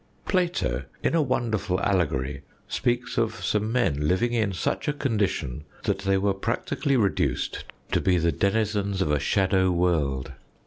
Plato, in a wonderful allegory, speaks of some men living in such a condition that they were practically reduced to be the denizens of a shadow world.